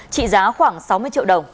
trị giá khoảng sáu mươi triệu đồng